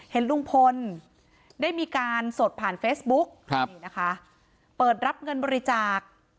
เห็นลุงพลได้มีการสดผ่านเฟซบุ๊กนี่นะคะเปิดรับเงินบริจาค